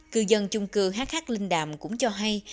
cư dân chung cư hh linh đàm cũng cho hay